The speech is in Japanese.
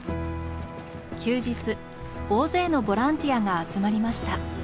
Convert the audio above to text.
休日大勢のボランティアが集まりました。